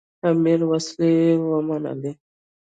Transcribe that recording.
امیر وسلې ومنلې.